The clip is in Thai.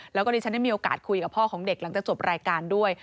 แล้วก็ดิฉันได้มีโอกาสคุยกับพ่อของเด็กหลังจากจบรายการด้วย